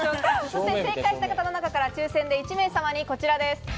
そして正解した方の中から抽選で１名様にこちらです。